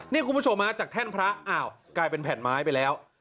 นี่คุณผู้ชมฮะจากแท่นพระอ้าวกลายเป็นแผ่นไม้ไปแล้ว